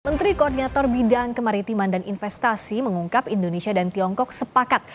menteri koordinator bidang kemaritiman dan investasi mengungkap indonesia dan tiongkok sepakat